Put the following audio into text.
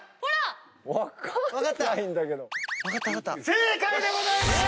正解でございます！